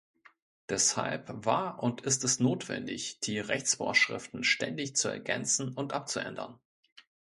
Deshalb war und ist es notwendig, die Rechtsvorschriften ständig zu ergänzen und abzuändern.